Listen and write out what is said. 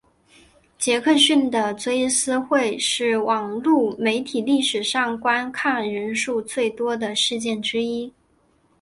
杰克逊的追思会是网路媒体历史上观看人数最多的事件之一。